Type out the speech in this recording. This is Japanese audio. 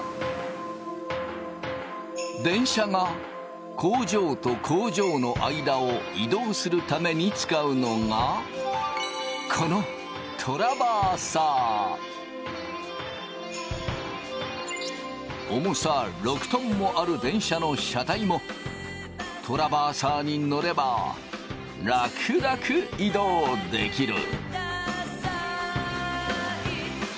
電車が工場と工場の間を移動するために使うのがこの重さ６トンもある電車の車体もトラバーサーに乗ればらくらく移動できる。